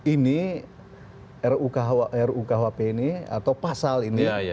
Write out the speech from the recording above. ini rukuhp ini atau pasal ini